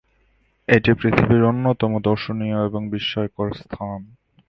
এটি পৃথিবীর অন্যতম দর্শনীয় এবং বিস্ময়কর স্থান।